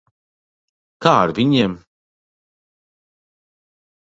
Kā ar viņiem?